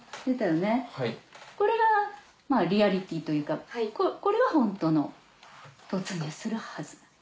これがリアリティーというかこれはホントの「突入するはず」。